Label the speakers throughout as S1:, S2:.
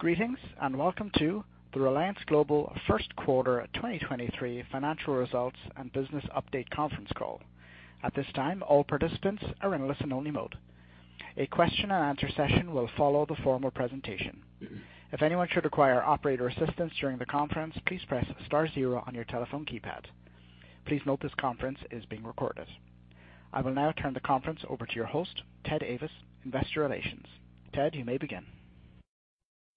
S1: Greetings, and welcome to the Reliance Global first quarter 2023 financial results and business update conference call. At this time, all participants are in listen-only mode. A Q&A session will follow the formal presentation. If anyone should require operator assistance during the conference, please press star zero on your telephone keypad. Please note this conference is being recorded. I will now turn the conference over to your host, Ted Ayvas, Investor Relations. Ted, you may begin.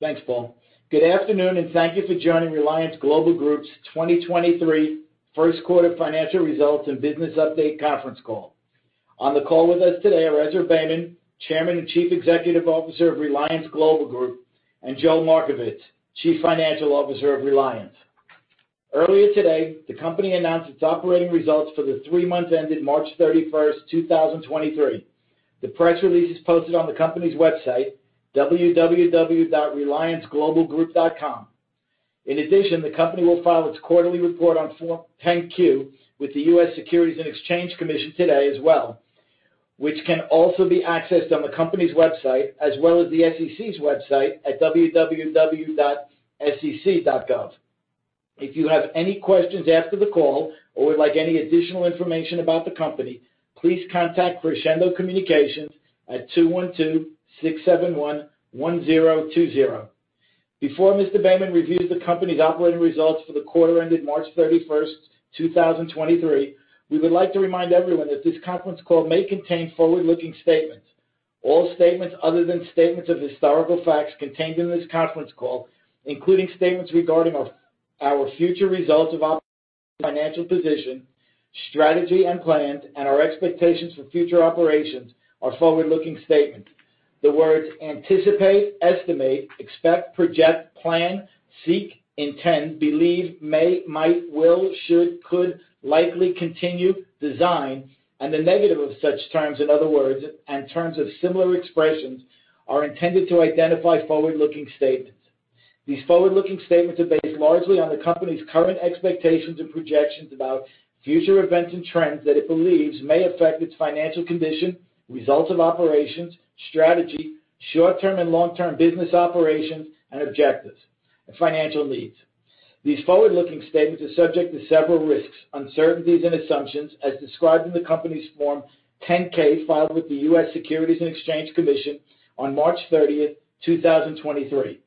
S2: Thanks, Paul. Good afternoon, thank you for joining Reliance Global Group's 2023 Q1 financial results and business update conference call. On the call with us today are Ezra Beyman, Chairman and Chief Executive Officer of Reliance Global Group, and Joel Markovits, Chief Financial Officer of Reliance. Earlier today, the company announced its operating results for the three months ended March 31st 2023. The press release is posted on the company's website, www.relianceglobalgroup.com. The company will file its quarterly report on Form 10-Q with the US Securities and Exchange Commission today as well, which can also be accessed on the company's website as well as the SEC's website at www.sec.gov. If you have any questions after the call or would like any additional information about the company, please contact Crescendo Communications at 212-671-1020. Before Mr. Beyman reviews the company's operating results for the quarter ended March 31st, 2023, we would like to remind everyone that this conference call may contain forward-looking statements. All statements other than statements of historical facts contained in this conference call, including statements regarding our future results of financial position, strategy and plans, and our expectations for future operations are forward-looking statements. The words anticipate, estimate, expect, project, plan, seek, intend, believe, may, might, will, should, could, likely continue, design, and the negative of such terms and other words and terms of similar expressions are intended to identify forward-looking statements. These forward-looking statements are based largely on the company's current expectations and projections about future events and trends that it believes may affect its financial condition, results of operations, strategy, short-term and long-term business operations and objectives, and financial needs. These forward-looking statements are subject to several risks, uncertainties, and assumptions as described in the company's Form 10-K filed with the US Securities and Exchange Commission on March 30th, 2023.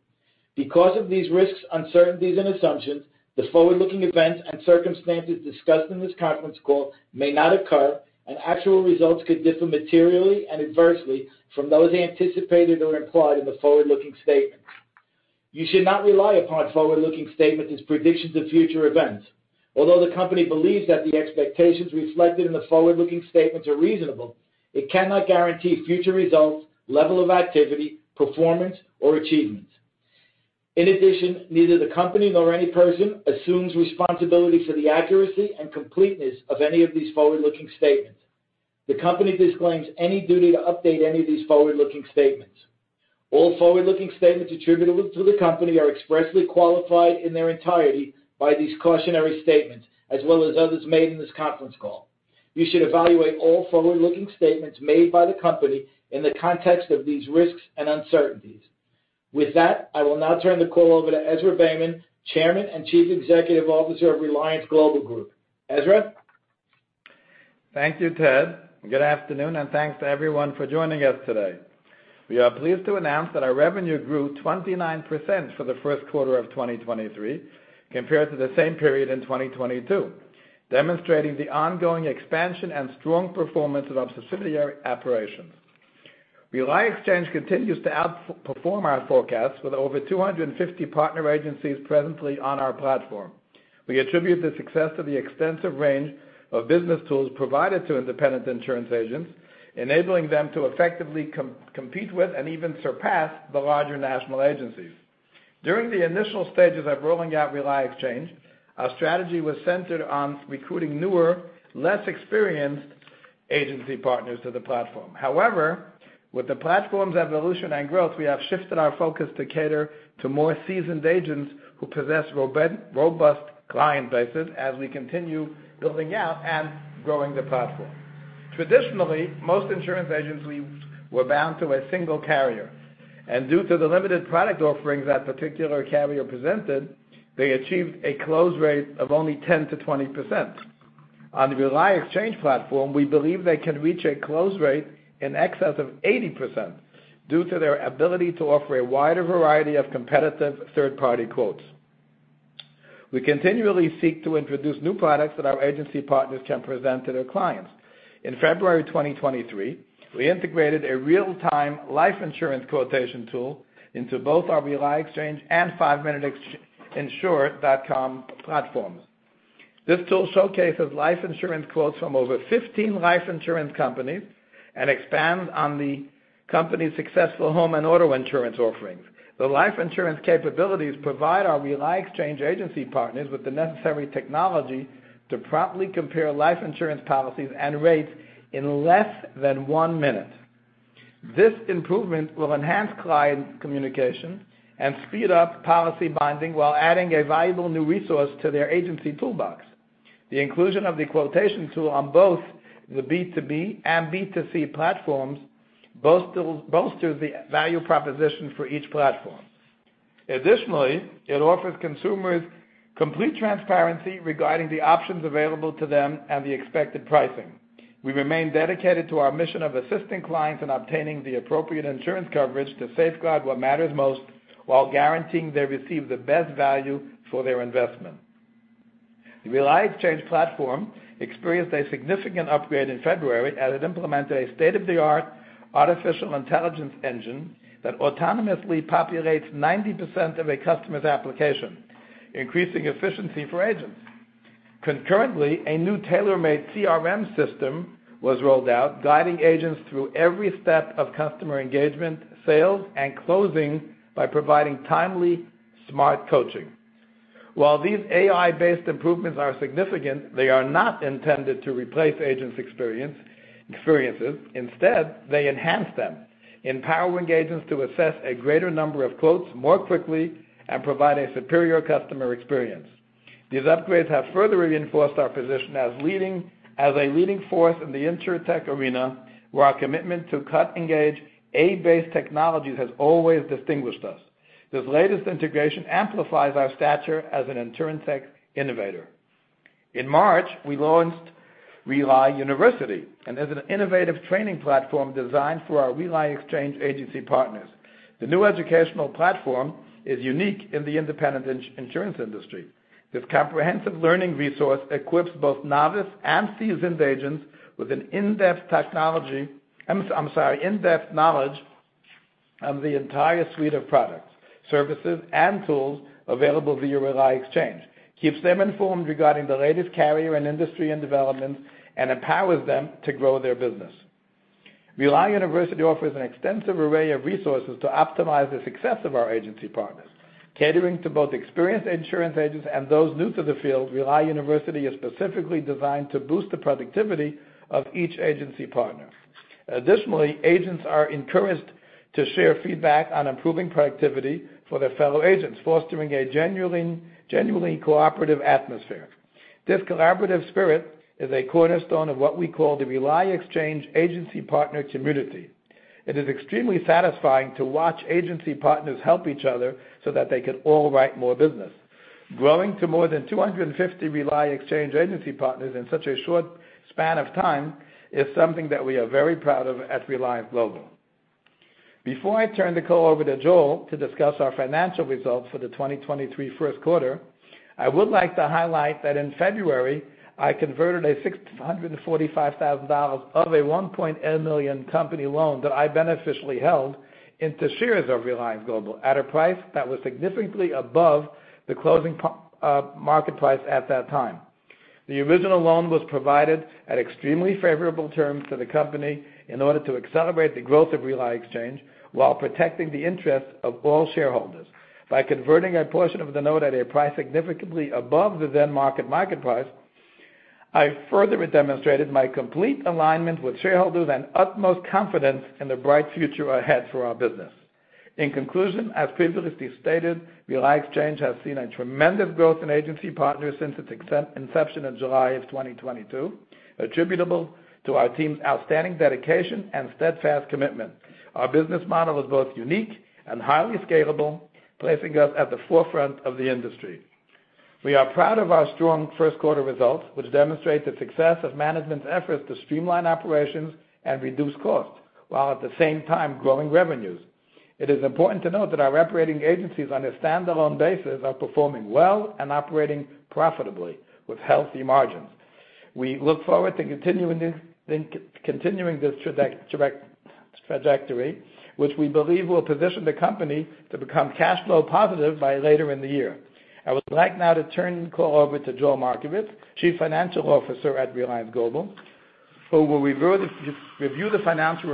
S2: Because of these risks, uncertainties and assumptions, the forward-looking events and circumstances discussed in this conference call may not occur, and actual results could differ materially and adversely from those anticipated or implied in the forward-looking statements. You should not rely upon forward-looking statements as predictions of future events. Although the company believes that the expectations reflected in the forward-looking statements are reasonable, it cannot guarantee future results, level of activity, performance, or achievements. In addition, neither the company nor any person assumes responsibility for the accuracy and completeness of any of these forward-looking statements. The company disclaims any duty to update any of these forward-looking statements. All forward-looking statements attributable to the company are expressly qualified in their entirety by these cautionary statements, as well as others made in this conference call. You should evaluate all forward-looking statements made by the company in the context of these risks and uncertainties. With that, I will now turn the call over to Ezra Beyman, Chairman and Chief Executive Officer of Reliance Global Group. Ezra?
S3: Thank you, Ted. Good afternoon, thanks to everyone for joining us today. We are pleased to announce that our revenue grew 29% for the Q1 of 2023 compared to the same period in 2022, demonstrating the ongoing expansion and strong performance of our subsidiary operations. Rely Exchange continues to out-perform our forecasts with over 250 partner agencies presently on our platform. We attribute the success to the extensive range of business tools provided to independent insurance agents, enabling them to effectively compete with and even surpass the larger national agencies. During the initial stages of rolling out Rely Exchange, our strategy was centered on recruiting newer, less experienced agency partners to the platform. With the platform's evolution and growth, we have shifted our focus to cater to more seasoned agents who possess robust client bases as we continue building out and growing the platform. Traditionally, most insurance agents were bound to a single carrier. Due to the limited product offerings that particular carrier presented, they achieved a close rate of only 10%-20%. On the Rely Exchange platform, we believe they can reach a close rate in excess of 80% due to their ability to offer a wider variety of competitive third-party quotes. We continually seek to introduce new products that our agency partners can present to their clients. In February 2023, we integrated a real-time life insurance quotation tool into both our Rely Exchange and 5MinuteInsure.com platforms. This tool showcases life insurance quotes from over 15 life insurance companies and expands on the company's successful home and auto insurance offerings. The life insurance capabilities provide our Rely Exchange agency partners with the necessary technology to promptly compare life insurance policies and rates in less than 1 minute. This improvement will enhance client communication and speed up policy binding while adding a valuable new resource to their agency toolbox. The inclusion of the quotation tool on both the B2B and B2C platforms bolsters the value proposition for each platform. It offers consumers complete transparency regarding the options available to them and the expected pricing. We remain dedicated to our mission of assisting clients in obtaining the appropriate insurance coverage to safeguard what matters most while guaranteeing they receive the best value for their investment. The Rely Exchange platform experienced a significant upgrade in February as it implemented a state-of-the-art artificial intelligence engine that autonomously populates 90% of a customer's application, increasing efficiency for agents. Concurrently, a new tailor-made CRM system was rolled out, guiding agents through every step of customer engagement, sales, and closing by providing timely, smart coaching. While these AI-based improvements are significant, they are not intended to replace agents' experiences. Instead, they enhance them, empowering agents to assess a greater number of quotes more quickly and provide a superior customer experience. These upgrades have further reinforced our position as a leading force in the Insurtech arena, where our commitment to cutting-edge AI-based technologies has always distinguished us. This latest integration amplifies our stature as an Insurtech innovator. In March, we launched Rely University, and is an innovative training platform designed for our Rely Exchange agency partners. The new educational platform is unique in the independent insurance industry. This comprehensive learning resource equips both novice and seasoned agents with an in-depth knowledge of the entire suite of products, services, and tools available via Rely Exchange, keeps them informed regarding the latest carrier and industry developments, empowers them to grow their business. Rely University offers an extensive array of resources to optimize the success of our agency partners. Catering to both experienced insurance agents and those new to the field, Rely University is specifically designed to boost the productivity of each agency partner. Additionally, agents are encouraged to share feedback on improving productivity for their fellow agents, fostering a genuinely cooperative atmosphere. This collaborative spirit is a cornerstone of what we call the Rely Exchange Agency Partner Community. It is extremely satisfying to watch agency partners help each other so that they can all write more business. Growing to more than 250 Rely Exchange agency partners in such a short span of time is something that we are very proud of at Reliance Global. Before I turn the call over to Joel to discuss our financial results for the 2023 Q1, I would like to highlight that in February, I converted a $645,000 of a $1.8 million company loan that I beneficially held into shares of Reliance Global at a price that was significantly above the closing market price at that time. The original loan was provided at extremely favorable terms to the company in order to accelerate the growth of Rely Exchange while protecting the interest of all shareholders. By converting a portion of the note at a price significantly above the then market price, I further demonstrated my complete alignment with shareholders and utmost confidence in the bright future ahead for our business. In conclusion, as previously stated, Rely Exchange has seen a tremendous growth in agency partners since its inception in July of 2022, attributable to our team's outstanding dedication and steadfast commitment. Our business model is both unique and highly scalable, placing us at the forefront of the industry. We are proud of our strong Q1 results, which demonstrate the success of management's efforts to streamline operations and reduce costs, while at the same time growing revenues. It is important to note that our operating agencies, on a standalone basis, are performing well and operating profitably with healthy margins. We look forward to continuing this trajectory, which we believe will position the company to become cash flow positive by later in the year. I would like now to turn the call over to Joel Markovits, Chief Financial Officer at Reliance Global, who will review the financial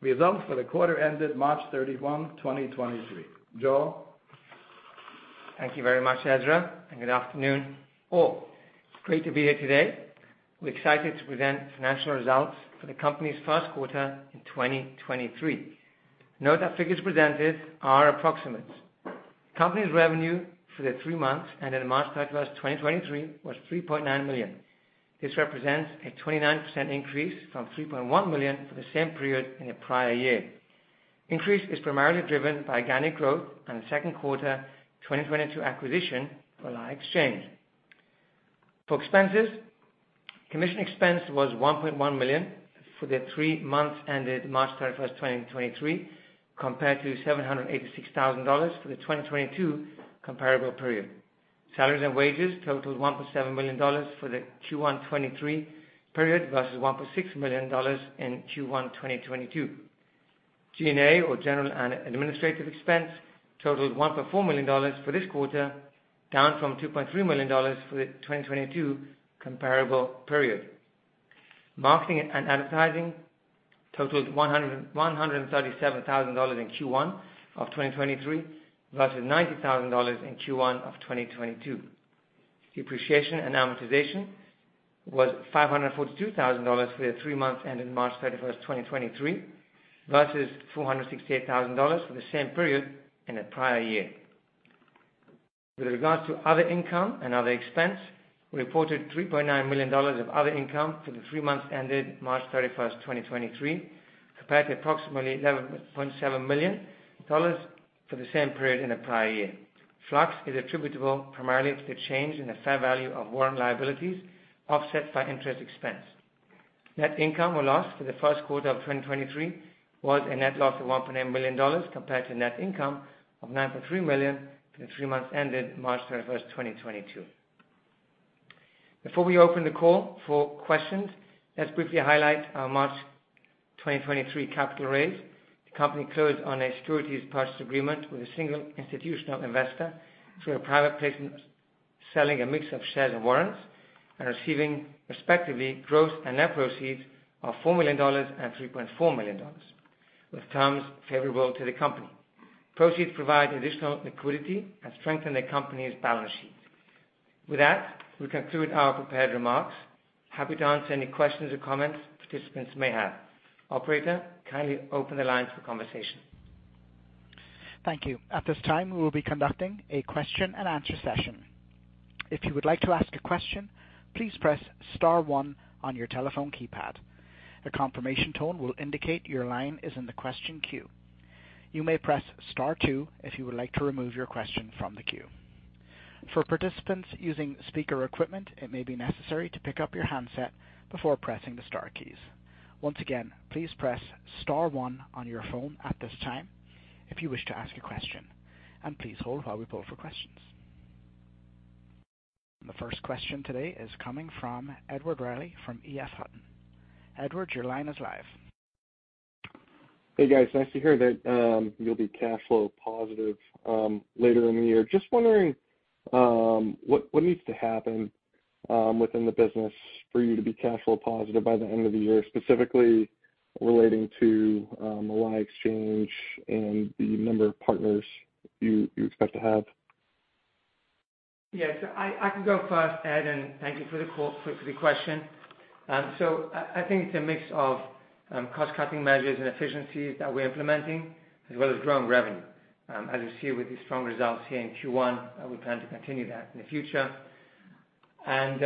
S3: results for the quarter ended March 31, 2023. Joel?
S4: Thank you very much, Ezra. Good afternoon, all. It's great to be here today. We're excited to present financial results for the company's Q1 in 2023. Note that figures presented are approximates. Company's revenue for the 3 months ended March 31st 2023, was $3.9 million. This represents a 29% increase from $3.1 million for the same period in the prior year. Increase is primarily driven by organic growth and the Q2, 2022 acquisition for Rely Exchange. For expenses, commission expense was $1.1 million for the 3 months ended March 31st 2023, compared to $786,000 for the 2022 comparable period. Salaries and wages totaled $1.7 million for the Q1 2023 period versus $1.6 million in Q1 2022. G&A, or general and administrative expense, totaled $1.4 million for this quarter, down from $2.3 million for the 2022 comparable period. Marketing and advertising totaled $137,000 in Q1 of 2023 versus $90,000 in Q1 of 2022. Depreciation and amortization was $542,000 for the three months ending March 31st 2023, versus $468,000 for the same period in the prior year. With regards to other income and other expense, we reported $3.9 million of other income for the three months ending March 31st 2023, compared to approximately $11.7 million for the same period in the prior year. Flux is attributable primarily to the change in the fair value of warrant liabilities offset by interest expense. Net income or loss for the Q1 of 2023 was a net loss of $1.8 million compared to net income of $9.3 million for the 3 months ending March 31st 2022. Before we open the call for questions, let's briefly highlight our March 2023 capital raise. The company closed on a securities purchase agreement with a single institutional investor through a private placement, selling a mix of shares and warrants and receiving respectively, gross and net proceeds of $4 million and $3.4 million with terms favorable to the company. Proceeds provide additional liquidity and strengthen the company's balance sheet. With that, we conclude our prepared remarks. Happy to answer any questions or comments participants may have. Operator, kindly open the lines for conversation.
S1: Thank you. At this time, we will be conducting a Q&A session. If you would like to ask a question, please press star one on your telephone keypad. A confirmation tone will indicate your line is in the question queue. You may press star two if you would like to remove your question from the queue. For participants using speaker equipment, it may be necessary to pick up your handset before pressing the star keys. Once again, please press star one on your phone at this time if you wish to ask a question, and please hold while we pull for questions. The first question today is coming from Edward Reilly from EF Hutton. Edward, your line is live.
S5: Hey, guys. Nice to hear that, you'll be cash flow positive later in the year. Just wondering, what needs to happen within the business for you to be cash flow positive by the end of the year, specifically relating to Rely Exchange and the number of partners you expect to have?
S4: I can go first, Ed, and thank you for the question. I think it's a mix of cost-cutting measures and efficiencies that we're implementing as well as growing revenue. As you see with the strong results here in Q1, we plan to continue that in the future. You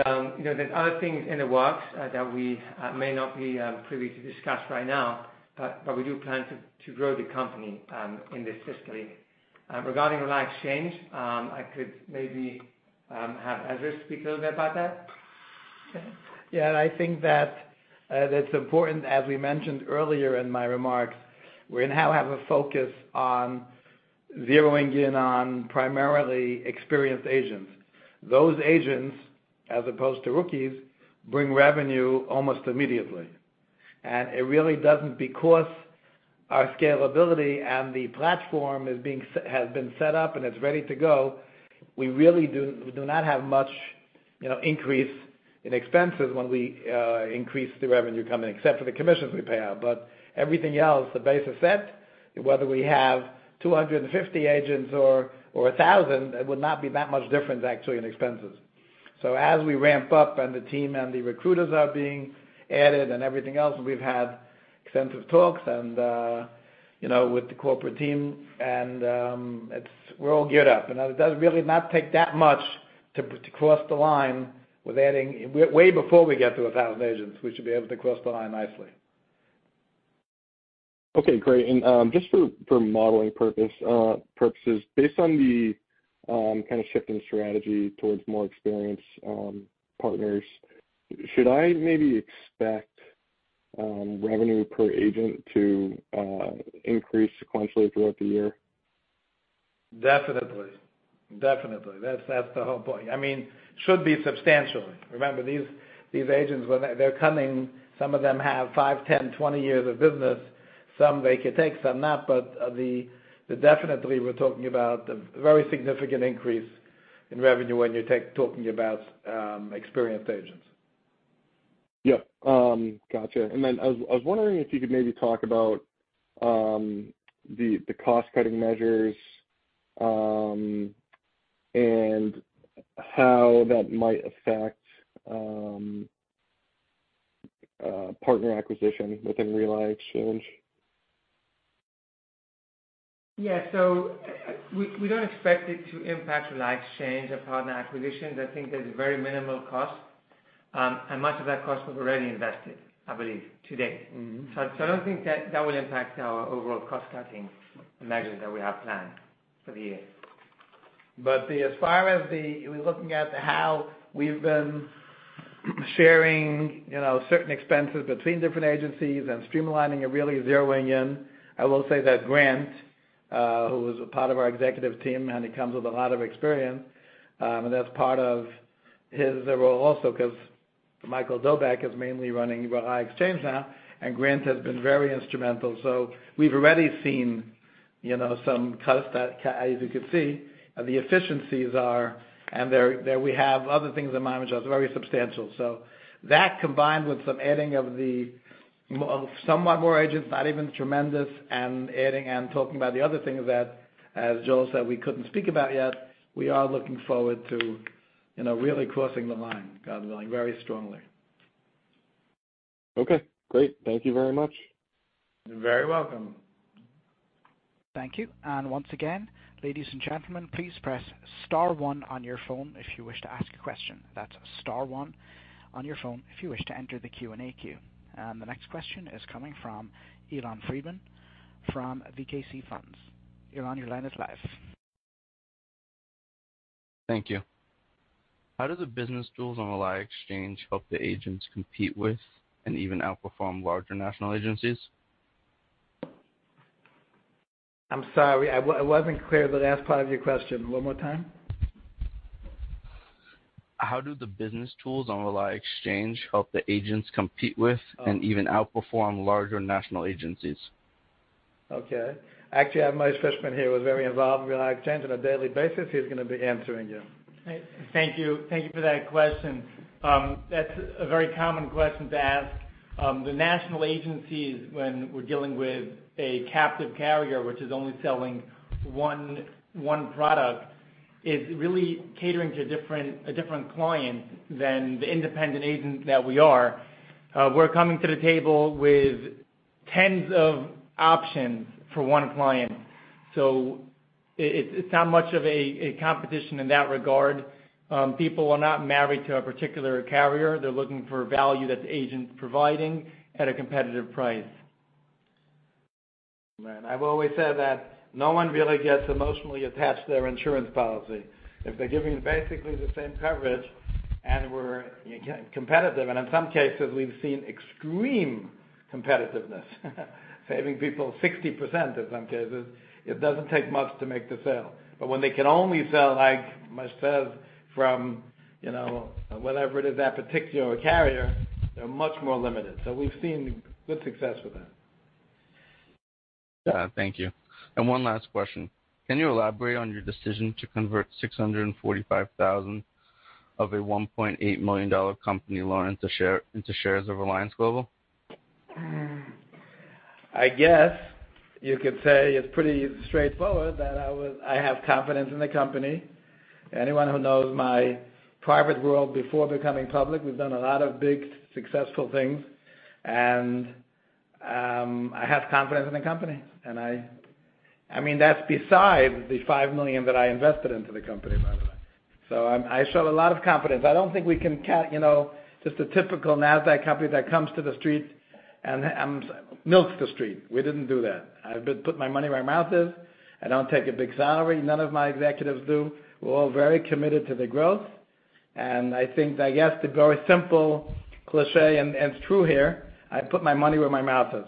S4: know, there's other things in the works that we may not be privy to discuss right now, we do plan to grow the company in this fiscally. Regarding Rely Exchange, I could maybe have Harris speak a little bit about that.
S3: Yeah.
S4: I think that's important, as we mentioned earlier in my remarks, we now have a focus on zeroing in on primarily experienced agents. Those agents, as opposed to rookies, bring revenue almost immediately. It really doesn't because our scalability and the platform has been set up and it's ready to go, we do not have much, you know, increase in expenses when we increase the revenue coming, except for the commissions we pay out. Everything else, the base is set. Whether we have 250 agents or 1,000, it would not be that much different actually in expenses. As we ramp up and the team and the recruiters are being added and everything else, we've had extensive talks and, you know, with the corporate team and, it's we're all geared up. It does really not take that much to cross the line with adding. Way before we get to 1,000 agents, we should be able to cross the line nicely.
S5: Okay, great. Just for modeling purposes, based on the kind of shifting strategy towards more experienced partners, should I maybe expect revenue per agent to increase sequentially throughout the year?
S3: Definitely. Definitely. That's the whole point. I mean, should be substantially. Remember, these agents, when they're coming, some of them have five years, 10 years, 20 years of business. Some they could take, some not. Definitely we're talking about a very significant increase in revenue when you talking about experienced agents.
S5: Yeah. gotcha. Then I was wondering if you could maybe talk about the cost-cutting measures, and how that might affect partner acquisition within Rely Exchange.
S4: Yeah. We don't expect it to impact Rely Exchange and partner acquisitions. I think there's a very minimal cost, and much of that cost was already invested, I believe, to date.
S3: Mm-hmm. I don't think that that will impact our overall cost-cutting measures that we have planned for the year. As far as we're looking at how we've been sharing, you know, certain expenses between different agencies and streamlining and really zeroing in. I will say that Grant, who is a part of our executive team, and he comes with a lot of experience, and that's part of his role also because Michael Dobek is mainly running Rely Exchange now, and Grant has been very instrumental. We've already seen, you know, some cuts that as you can see, the efficiencies are, and there we have other things in mind which are very substantial. That combined with some adding of somewhat more agents, not even tremendous, and adding and talking about the other things that as Joel said, we couldn't speak about yet. We are looking forward to, you know, really crossing the line, God willing, very strongly.
S5: Okay, great. Thank you very much.
S3: You're very welcome.
S1: Thank you. Once again, ladies and gentlemen, please press star one on your phone if you wish to ask a question. That's star one on your phone if you wish to enter the Q&A queue. The next question is coming from Elon Friedman from VKC Funds. Elon, your line is live.
S6: Thank you. How do the business tools on Rely Exchange help the agents compete with and even outperform larger national agencies?
S4: I'm sorry, I wasn't clear with the last part of your question. One more time.
S6: How do the business tools on Rely Exchange help the agents compete with and even outperform larger national agencies?
S4: Okay. Actually, I have Moshe Fischbein here, who was very involved in Rely Exchange on a daily basis. He's gonna be answering you.
S7: Thank you. Thank you for that question. That's a very common question to ask. The national agencies, when we're dealing with a captive carrier, which is only selling one product, is really catering to different, a different client than the independent agent that we are. We're coming to the table with tens of options for one client. It's not much of a competition in that regard. People are not married to a particular carrier. They're looking for value that the agent's providing at a competitive price.
S3: I've always said that no one really gets emotionally attached to their insurance policy. If they're giving basically the same coverage, and we're competitive, and in some cases, we've seen extreme competitiveness, saving people 60% in some cases, it doesn't take much to make the sale. When they can only sell, like Moshe said, from, you know, whatever it is, that particular carrier, they're much more limited. We've seen good success with that.
S6: Yeah. Thank you. One last question. Can you elaborate on your decision to convert $645,000 of a $1.8 million company loan into shares of Reliance Global?
S4: I guess you could say it's pretty straightforward that I have confidence in the company. Anyone who knows my private world before becoming public, we've done a lot of big, successful things. I have confidence in the company. I mean, that's besides the $5 million that I invested into the company, by the way. I show a lot of confidence. I don't think we can count, you know, just a typical Nasdaq company that comes to the street and milks the street. We didn't do that. I put my money where my mouth is. I don't take a big salary. None of my executives do. We're all very committed to the growth. I think, I guess, the very simple cliché, and it's true here, I put my money where my mouth is.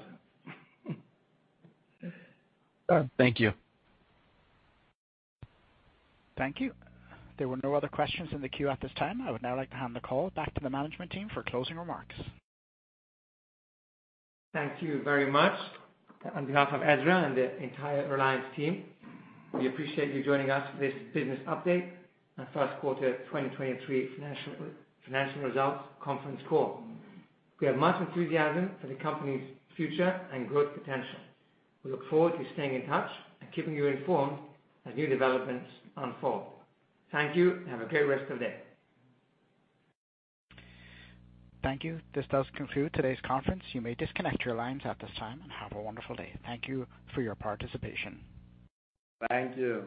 S6: Thank you.
S1: Thank you. There were no other questions in the queue at this time. I would now like to hand the call back to the management team for closing remarks.
S4: Thank you very much. On behalf of Ezra and the entire Reliance team, we appreciate you joining us for this business update and Q1 2023 financial results conference call. We have much enthusiasm for the company's future and growth potential. We look forward to staying in touch and keeping you informed as new developments unfold. Thank you, and have a great rest of the day.
S1: Thank you. This does conclude today's conference. You may disconnect your lines at this time, and have a wonderful day. Thank you for your participation.
S3: Thank you.